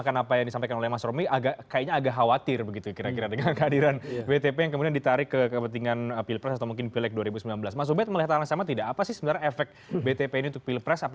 kemudian kita menghormati pilihannya pak btp